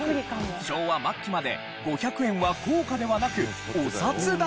昭和末期まで５００円は硬貨ではなくお札だった。